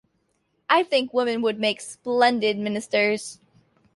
I think women would make splendid ministers.